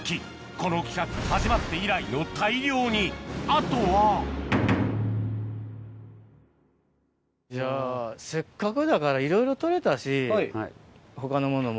この企画始まって以来のあとはじゃあせっかくだからいろいろ取れたし他のものも。